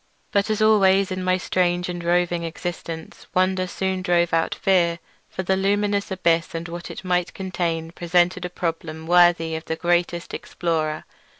But as always in my strange and roving existence, wonder soon drove out fear; for the luminous abyss and what it might contain presented a problem worthy of the greatest explorer.